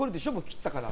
切ったから。